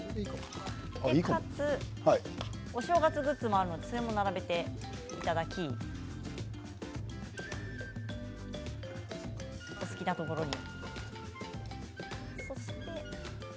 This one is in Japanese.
お正月グッズもあるのでそれも並べていただきお好きなところに。